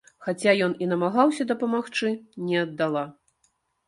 Хаця ён і намагаўся дапамагчы, не аддала.